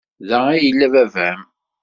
Da ay yella baba-m?